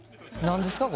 何ですか？